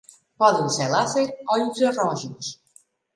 Poden ser làser o infrarrojos.